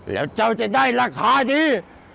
แล้วเจ้าจะได้ราคาดี